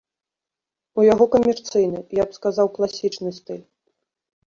У яго камерцыйны, я б сказаў, класічны стыль.